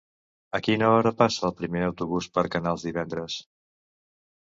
A quina hora passa el primer autobús per Canals divendres?